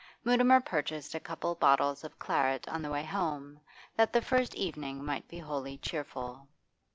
Mutimer purchased a couple of bottles of claret on the way home, that the first evening might be wholly cheerful.